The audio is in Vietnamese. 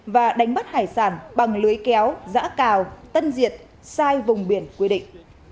và đánh bắt hải sản bằng lưới kéo giã cào tân diệt sai vùng biển quy định